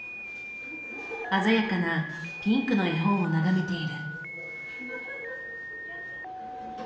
鮮やかなピンクの絵本を眺めている。